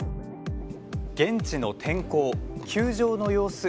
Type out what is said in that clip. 現地の天候、球場の様子